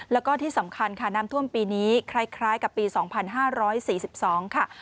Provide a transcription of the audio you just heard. แล้วก็ที่สำคัญค่ะน้ำท่วมปีนี้คล้ายกับปี๒๕๔๒ค่ะ